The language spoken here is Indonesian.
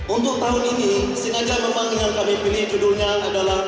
untuk tahun ini singajal memang dengan kami pilih judulnya adalah